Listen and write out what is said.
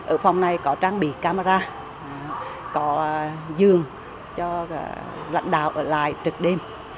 ở phòng này có trang bị camera có giường cho các lãnh đạo ở lại trực đêm